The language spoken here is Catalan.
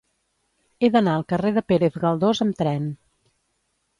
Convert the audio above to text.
He d'anar al carrer de Pérez Galdós amb tren.